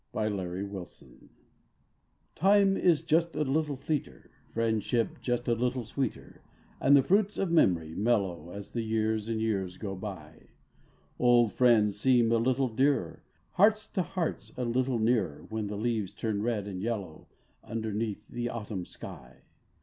©CI.A597234 IME is "just a little fleeter; priendship just a little sweeter; And the jruits of memoru mellcrcO ' I As the Ljears and Ejears ao btj. d Old 'friends seem a little dearer; Hearts to Hearts a little nearer, ( ADhen the leases turn red and Ljello^ Underneath the Autumn shij.